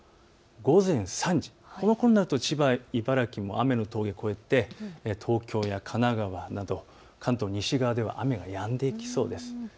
午前３時、千葉、茨城も雨の峠を越えて東京や神奈川など関東西側では雨がやんできそうです。